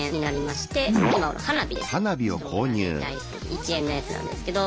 １円のやつなんですけど。